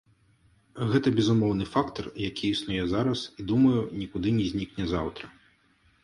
Гэта безумоўны фактар, які існуе зараз, і, думаю, нікуды не знікне заўтра.